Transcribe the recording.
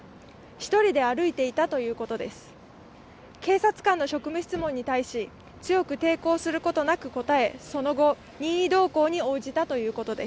１人で歩いていたということです。